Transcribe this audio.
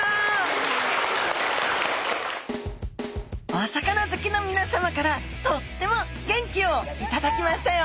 お魚好きのみなさまからとっても元気を頂きましたよ